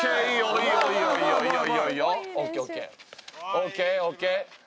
ＯＫＯＫ。